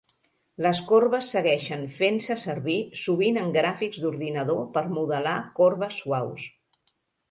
Les corbes segueixen fent-se servir sovint en gràfics d'ordinador per modelar corbes suaus.